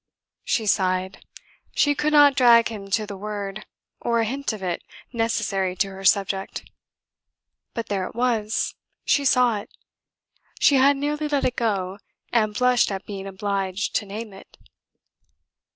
She sighed. She could not drag him to the word, or a hint of it necessary to her subject. But there it was; she saw it. She had nearly let it go, and blushed at being obliged to name it.